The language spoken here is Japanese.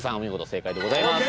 正解でございます。